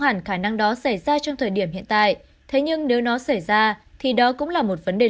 hẳn khả năng đó xảy ra trong thời điểm hiện tại thế nhưng nếu nó xảy ra thì đó cũng là một vấn đề